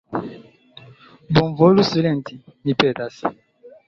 Bonvolu silenti, mi petas.